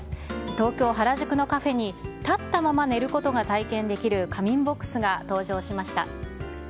東京・原宿のカフェに、立ったまま寝ることが体験できる仮眠ボックスが登場しました。